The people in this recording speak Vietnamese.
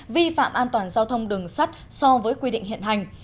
vi phạm an toàn giao thông đường sắt so với quy định hiện hành